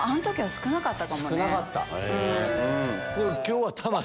少なかった。